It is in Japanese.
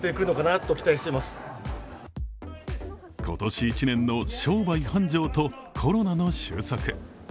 今年１年の商売繁盛とコロナの収束。